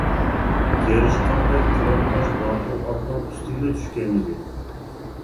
قېرىشقاندەك قورام تاش باتۇر ئاتىنىڭ ئۈستىگىلا چۈشكەنىدى.